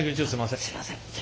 すいません。